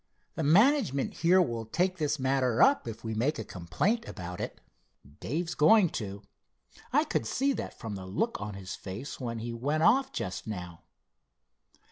The management here will take this matter up, if we make a complaint about it. Dave's going to. I could see that from the look on his face when he went off just now.